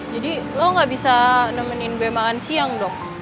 jadi lo gak bisa nemenin gue makan siang dok